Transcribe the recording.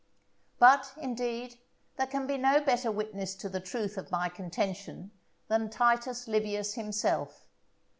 But, indeed, there can be no better witness to the truth of my contention than Titus Livius himself.